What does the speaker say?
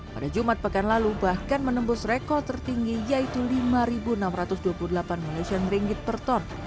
pada jumat pekan lalu bahkan menembus rekor tertinggi yaitu lima enam ratus dua puluh delapan motion ringgit per ton